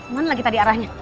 mana lagi tadi arahnya